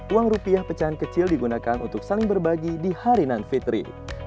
uang rupiah pecahan kecil digunakan untuk saling berbagi di hari nan fitri